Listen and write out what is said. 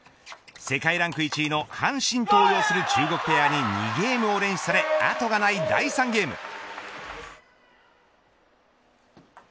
世界ランク１位のハン・シントウを有する中国ペアに２ゲームを連取されあとがない第３ゲーム。